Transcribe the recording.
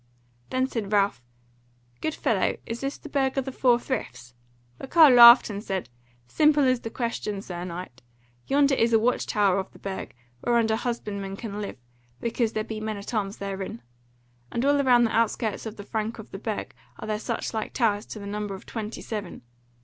Then said Ralph: "Good fellow, is this the Burg of the Four Friths?" The carle laughed, and said: "Simple is the question, Sir Knight: yonder is a watch tower of the Burg, whereunder husbandmen can live, because there be men at arms therein. And all round the outskirts of the Frank of the Burg are there such like towers to the number of twenty seven.